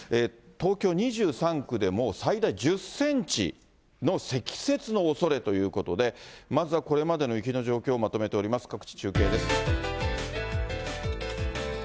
東京２３区でも最大１０センチの積雪のおそれということで、まずはこれまでの雪の状況をまとめております。